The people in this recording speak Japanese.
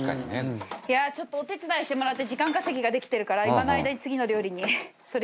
いやあちょっとお手伝いしてもらって時間稼ぎができてるから今の間に次の料理に取りかかります。